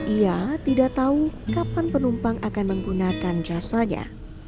ia tidak tahu kapan penumpang akan menggunakan jasanya